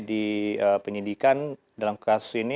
di penyidikan dalam kasus ini